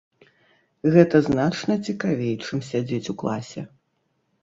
Гэта значна цікавей, чым сядзець у класе.